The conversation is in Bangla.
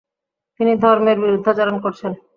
তিনি ধর্মের বিরুদ্ধাচরণ করেছেন।